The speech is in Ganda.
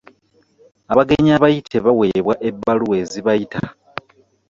Abagenyi abayite baaweebwa ebbaluwa ezibayita.